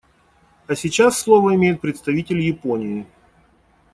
А сейчас слово имеет представитель Японии.